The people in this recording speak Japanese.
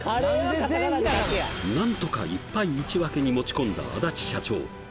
何とか１敗１分けに持ち込んだ安達社長